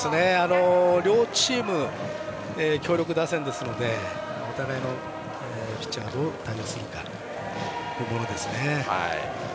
両チーム強力打線ですのでお互いのピッチャーがどう対応するか見ものですね。